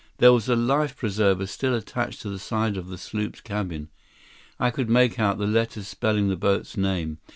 There was a life preserver still attached to the side of the sloop's cabin. I could make out the letters spelling the boat's name.